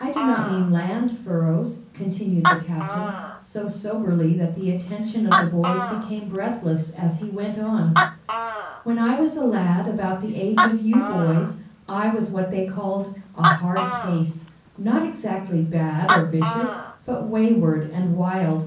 I do not mean land furrows," continued the captain, so soberly that the attention of the boys became breathless as he went on: "When I was a lad about the age of you boys, I was what they call a 'hard case,' not exactly bad or vicious, but wayward and wild.